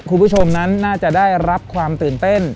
คุณผู้ชมนั้นน่าจะได้รับความตื่นเต้น